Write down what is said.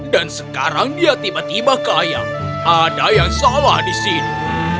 dan sekarang dia tiba tiba kaya ada yang salah di sini